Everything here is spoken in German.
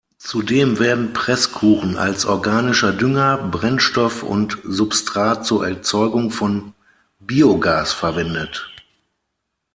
Zudem werden Presskuchen als organischer Dünger, Brennstoff und Substrat zur Erzeugung von Biogas verwendet.